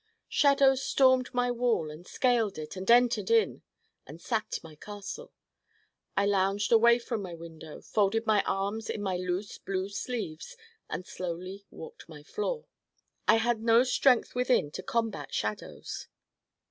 Shadows stormed my wall and scaled it and entered in and sacked my castle. I lounged away from my window, folded my arms in my loose blue sleeves and slowly walked my floor. I had no strength within to combat shadows.